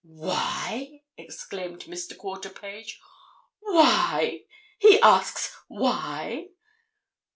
"Why?" exclaimed Mr. Quarterpage. "Why? He asks—why?